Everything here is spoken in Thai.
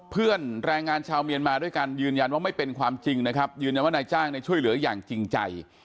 แรงงานชาวเมียนมาด้วยกันยืนยันว่าไม่เป็นความจริงนะครับยืนยันว่านายจ้างช่วยเหลืออย่างจริงใจ